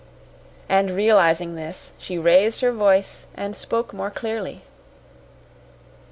And realizing this, she raised her voice and spoke more clearly.